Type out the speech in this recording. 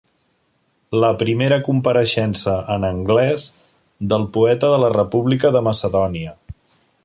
La primera compareixença en anglès del poeta de la República de Macedònia.